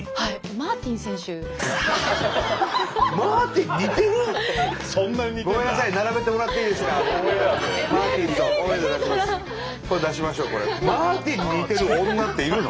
マーティンに似てる女っているの？